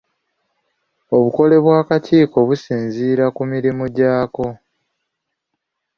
Obukole bw'akakiiko businziira ku mirimu gyako.